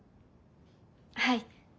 はい。